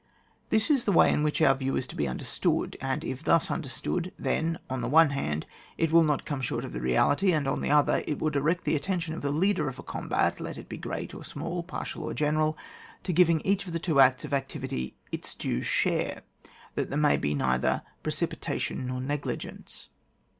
This is the way in which our view is to be understood, and if thus under stood, then, on the one hand, it will not come short of the reality, and on the other, it will direct the attention of the leader of a combat (let it be great or small, partial or general) to giving each of the two acts of activity its due share, that there may be neither precipitation nor negligence.